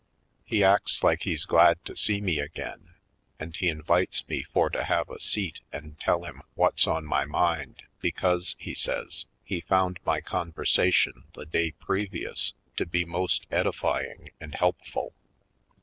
He acts like he's glad to see me again and he invites me for to have a seat and tell him what's on my mind because, he says, he found my conversation the day previous to be most edifying and helpful.